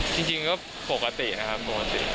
จริงก็ปกตินะครับปกติ